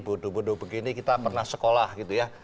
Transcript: bodoh bodoh begini kita pernah sekolah gitu ya